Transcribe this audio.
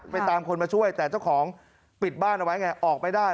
ตามคนมาช่วยแต่เจ้าของปิดบ้านเอาไว้ไงออกไปได้